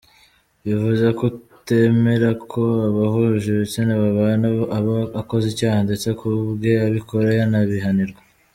Bivuze ko utemera ko abahuje ibitsina babana, aba akoze icyaha ndetse kubwe ubikora yanabihanirwa.